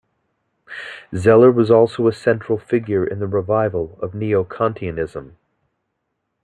Zeller was also a central figure in the revival of neo-Kantianism.